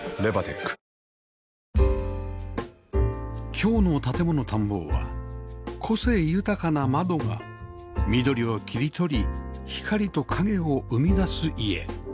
今日の『建もの探訪』は個性豊かな窓が緑を切り取り光と影を生み出す家